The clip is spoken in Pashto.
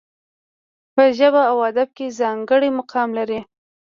په ژبه او ادب کې ځانګړی مقام لري.